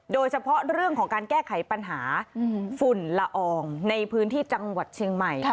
โดยเฉพาะเรื่องของการแก้ไขปัญหาฝุ่นละอองในพื้นที่จังหวัดเชียงใหม่